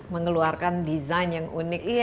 mengeluarkan desain yang unik